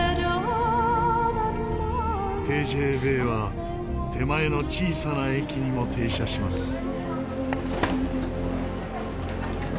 ＴＧＶは手前の小さな駅にも停車します。